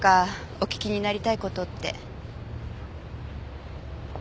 お聞きになりたい事って。